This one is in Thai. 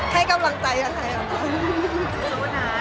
ให้กำลังใจกับใครหรอ